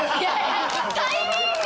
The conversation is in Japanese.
タイミング！